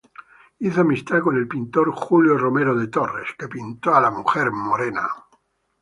Hizo amistad con el pintor Julio Romero de Torres.